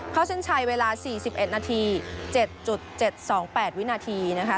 เส้นชัยเวลา๔๑นาที๗๗๒๘วินาทีนะคะ